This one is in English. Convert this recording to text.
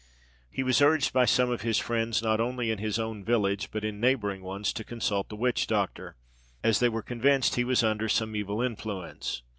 He was urged by some of his friends, not only in his own village but in neighbouring ones, to consult the witch doctor, as they were convinced he was under some evil influence.